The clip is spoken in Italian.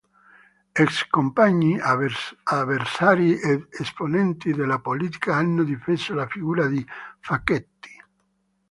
Ex compagni, avversari ed esponenti della politica hanno difeso la figura di Facchetti.